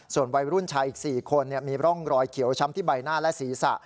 ส่วนวัยรุ่นชายอีก๔คนมีร่องรอยเขียวช้ำที่ใบหน้าและศีรษะ